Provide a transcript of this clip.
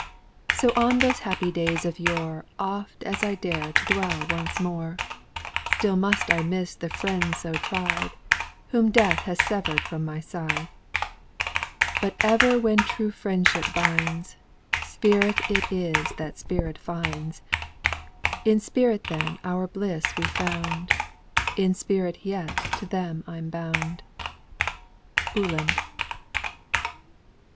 "So on those happy days of yore Oft as I dare to dwell once more, Still must I miss the friends so tried, Whom Death has severed from my side. But ever when true friendship binds, Spirit it is that spirit finds; In spirit then our bliss we found, In spirit yet to them I'm bound." UHLAND.